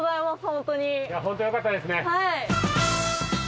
はい。